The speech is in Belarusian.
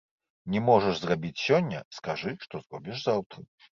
Не можаш зрабіць сёння, скажы, што зробіш заўтра.